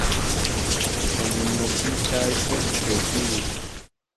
Enmetitaj, sed de kiu?